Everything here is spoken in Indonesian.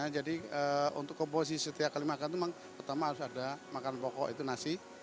jadi untuk komposisi setiap kali makan pertama harus ada makanan pokok itu nasi